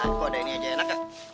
aku ada ini aja enak gak